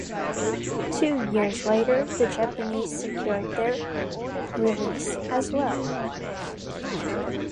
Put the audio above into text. Two years later, the Japanese secured their release as well.